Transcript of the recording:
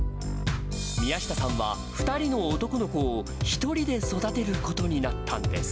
宮下さんは、２人の男の子を１人で育てることになったんです。